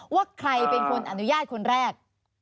ว่าใครเป็นคนอนุญาตคนแรก